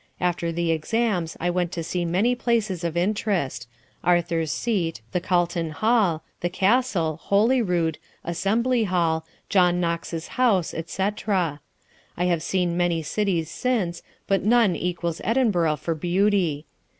After the exams I went to see many places of interest—Arthur's Seat, the Calton Hill, the Castle, Holyrood, Assembly Hall, John Knox's house, etc. I have seen many cities since, but none equals Edinburgh for beauty.